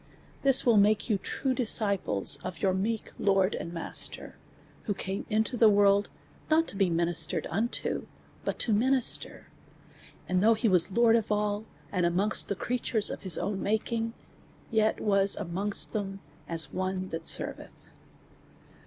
This will make you true disciples of your meek^ Lord and Master^ who came into the loorld not to be DEVOUT AND HDLY UFE. 263 2)unistered unto, hut to minister ; and though he was Lord of all, and amongst the creatures of his own making , yet was amongst them as one that serveth.